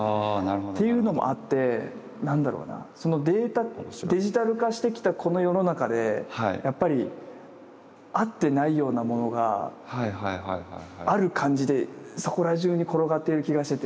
ていうのもあって何だろうなそのデジタル化してきたこの世の中でやっぱりあってないようなものがある感じでそこら中に転がっている気がしてて。